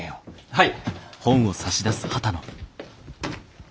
はい！